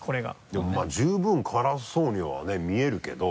でもまぁ十分辛そうにはね見えるけど。